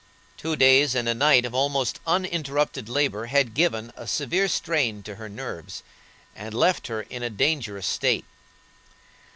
Two days and a night of almost uninterrupted labor had given a severe strain to her nerves, and left her in a dangerous state.